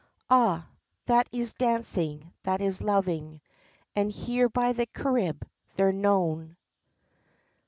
Ah! that is dancing, that is loving, As here by the Carib they're known.